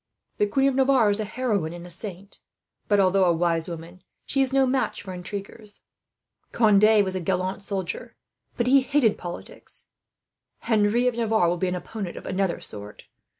The Queen of Navarre is a heroine and a saint but, although a wise woman, she is no match for intriguers. Conde was a gallant soldier, but he hated politics. "Henry of Navarre will be an opponent of another sort.